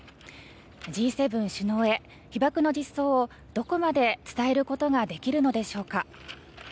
Ｇ７首脳へ、被爆の実相をどこまで伝えることができるのでしょうか。